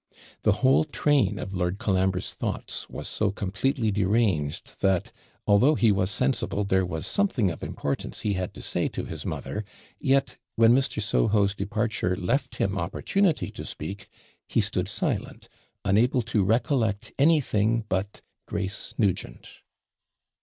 The whole train of Lord Colambre's thoughts was so completely deranged that, although he was sensible there was something of importance he had to say to his mother, yet, when Mr. Soho's departure left him opportunity to speak, he stood silent, unable to recollect anything but Grace Nugent.